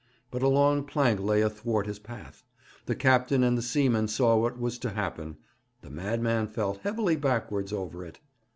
But a long plank lay athwart his path; the captain and the seaman saw what was to happen; the madman fell heavily backwards over it.